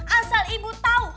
asal ibu tau